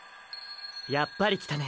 やっぱり来たね